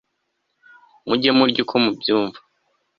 mujye murya uko mubyumva